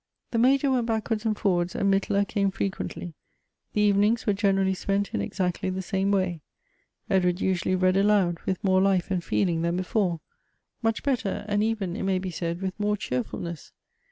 The Major went backwards and forwards, and Mittler came frequently. The evenings were generally spent in exactly the same way. Edward usually read aloud, with more life and feeling than before ; much better, and even it may be said with more cheerfulness.